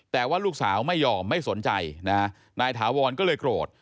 แต่ว่าลูกสาวไม่ยอมไม่สนใจนะฮะนายถาวรก็เลยโกรธ